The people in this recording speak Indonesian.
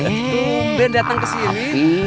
oven datang ke sini